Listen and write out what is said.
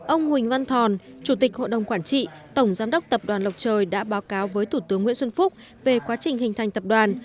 ông huỳnh văn thòn chủ tịch hội đồng quản trị tổng giám đốc tập đoàn lộc trời đã báo cáo với thủ tướng nguyễn xuân phúc về quá trình hình thành tập đoàn